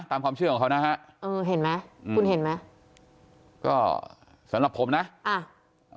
ตามความเชื่อของเขานะฮะเออเห็นไหมอืมคุณเห็นไหมก็สำหรับผมนะอ่า